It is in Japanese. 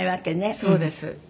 そうです。